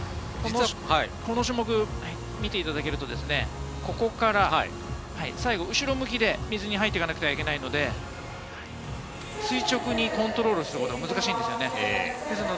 この種目、見ていただけると、ここから最後、後ろ向きで水に入っていかなくてはならないので、垂直にコントロールすることが難しいんですね。